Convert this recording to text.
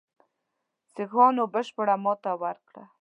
سیکهانو بشپړه ماته وکړه.